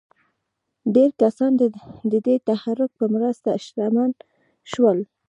ډېر کسان د دې تحرک په مرسته شتمن شول.